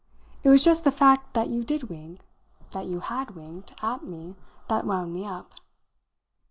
It was just the fact that you did wink, that you had winked, at me that wound me up."